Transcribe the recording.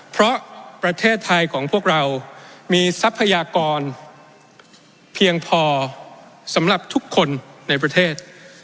เพราะประเทศไทยของพวกเรามีทรัพยากรเพียงพอสำหรับทุกคนในประเทศ